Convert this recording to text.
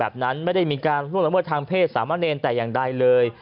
แบบนั้นไม่ได้มีการล่วงละเมิดทางเพศสามะเนรแต่อย่างใดเลย